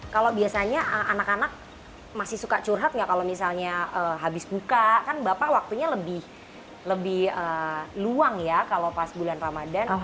kalau biasanya anak anak masih suka curhat nggak kalau misalnya habis buka kan bapak waktunya lebih luang ya kalau pas bulan ramadhan